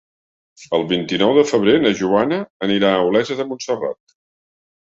El vint-i-nou de febrer na Joana anirà a Olesa de Montserrat.